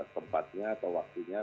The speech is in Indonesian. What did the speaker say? tempatnya atau waktunya